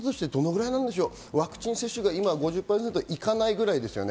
ワクチン接種が今、５０％いかないくらいですよね。